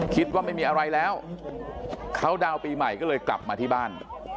คิดว่าไม่มีอะไรแล้วเขาดาวน์ปีใหม่ก็เลยกลับมาที่บ้าน